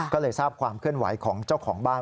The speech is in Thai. ก็เลยทราบความเคลื่อนไหวของเจ้าของบ้าน